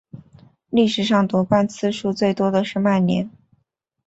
历史上夺冠次数最多的是曼联。